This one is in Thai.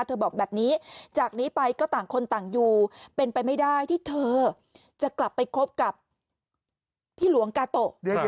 บอกแบบนี้จากนี้ไปก็ต่างคนต่างอยู่เป็นไปไม่ได้ที่เธอจะกลับไปคบกับพี่หลวงกาโตะ